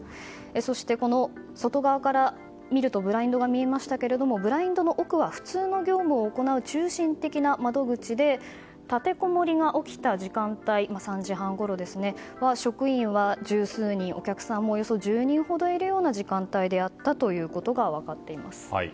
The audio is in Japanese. そして、外側から見るとブラインドが見えましたがブラインドの奥は普通の業務を行う中心的な窓口で立てこもりが起きた時間帯３時半ごろは職員は十数人お客さんもおよそ１０人ほどいるような時間帯であったことが分かっています。